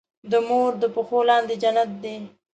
د مور د پښو لاندې جنت دی.